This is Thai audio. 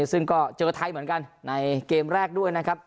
ซึ่งก็เจอไทยเหมือนกันในเกมแรกด้วยนะครับ